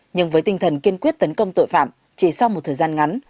nhưng với tinh thần kiên quyết tấn công tội phạm chỉ sau một thời gian ngắn